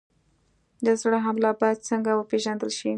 د زړه حمله باید څنګه وپېژندل شي؟